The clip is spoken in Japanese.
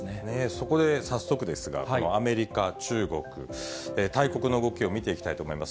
そこで早速ですが、アメリカ、中国、大国の動きを見ていきたいと思います。